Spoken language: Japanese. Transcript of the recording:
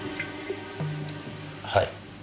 はい。